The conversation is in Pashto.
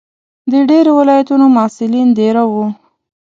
د ډېرو ولایتونو محصلین دېره وو.